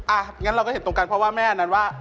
งั้นเราก็เห็นตรงกันเพราะว่าแม่อันนั้นว่า